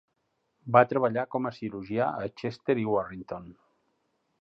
Va treballar com a cirurgià a Chester i Warrington.